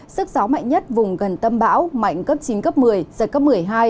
sức gió mạnh nhất vùng gần tâm bão mạnh cấp chín cấp một mươi giật cấp một mươi hai